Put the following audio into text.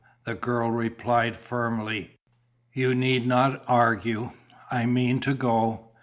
the girl replied firmly. "You need not argue. I mean to go.